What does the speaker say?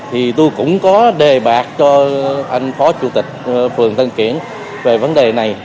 thì tôi cũng có đề bạc cho anh phó chủ tịch phường tân kiển về vấn đề này